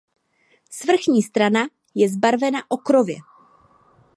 Svrchní strana je zbarvena okrově.